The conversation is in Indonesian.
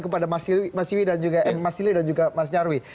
kepada mas ili dan juga mas nyarwi